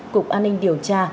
cục an ninh điều tra